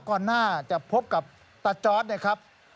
ก่อนหน้าจะพบกับตาจอร์ดนะครับ